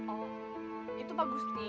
oh itu pak gusti